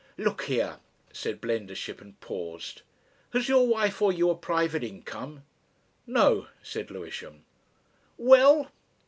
"Look here," said Blendershin, and paused. "Has your wife or you a private income?" "No," said Lewisham. "Well?"